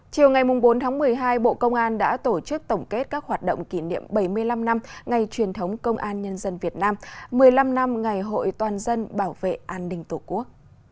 chiều ngày bốn tháng một mươi hai bộ công an đã tổ chức tổng kết các hoạt động kỷ niệm bảy mươi năm năm ngày truyền thống công an nhân dân việt nam một mươi năm năm ngày hội toàn dân bảo vệ an ninh tổ quốc